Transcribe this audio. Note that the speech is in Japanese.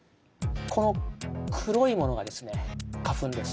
この黒いものがですね花粉です。